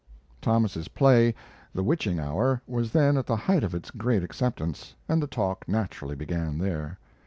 Thomas's play, "The Witching Hour," was then at the height of its great acceptance, and the talk naturally began there.